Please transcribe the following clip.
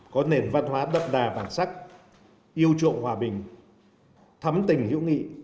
có nền văn hóa đậm đà bản sắc yêu trộm hòa bình thắm tình hữu nghị